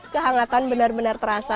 kehangatan benar benar terasa